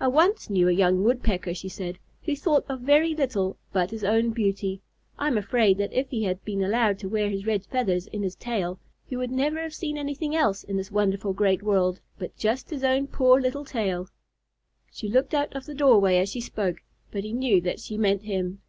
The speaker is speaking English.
"I once knew a young Woodpecker," she said, "who thought of very little but his own beauty. I am afraid that if he had been allowed to wear his red feathers in his tail, he would never have seen anything else in this wonderful great world, but just his own poor little tail." She looked out of the doorway as she spoke, but he knew that she meant him.